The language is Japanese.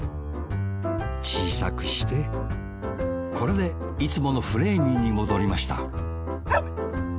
ちいさくしてこれでいつものフレーミーにもどりましたワン！